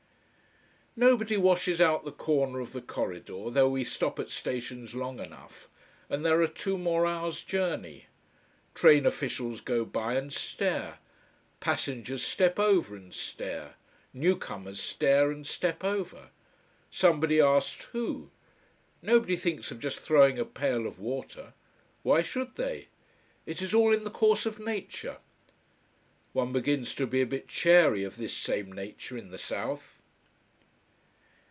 Nobody washes out the corner of the corridor, though we stop at stations long enough, and there are two more hours journey. Train officials go by and stare, passengers step over and stare, new comers stare and step over. Somebody asks who? Nobody thinks of just throwing a pail of water. Why should they? It is all in the course of nature. One begins to be a bit chary of this same "nature", in the south.